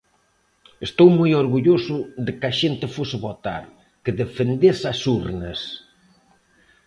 Estou moi orgulloso de que a xente fose votar, que defendese as urnas.